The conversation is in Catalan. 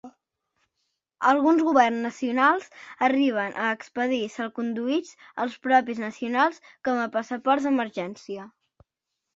Alguns governs nacionals arriben a expedir salconduits als propis nacionals com a passaports d'emergència.